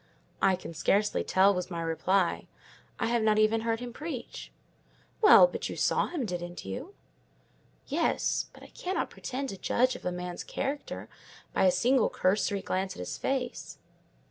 "I can scarcely tell," was my reply: "I have not even heard him preach." "Well, but you saw him, didn't you?" "Yes, but I cannot pretend to judge of a man's character by a single cursory glance at his face."